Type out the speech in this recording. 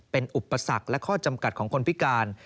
เป็นอุปสรรคและข้อจำกัดของคนพิการ